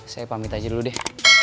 saya pamit aja dulu deh